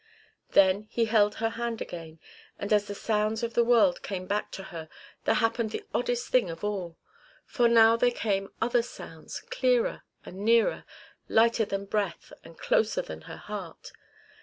Then he held her hand again, and as the sounds of the world came back to her there happened the oddest thing of all. For now there came other sounds, clearer and nearer, lighter than breath and closer than her heart.